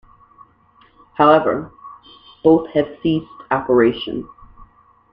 However, both have ceased operation.